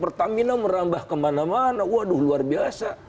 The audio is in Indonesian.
pertamina merambah kemana mana waduh luar biasa